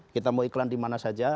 kita mau iklan dimana saja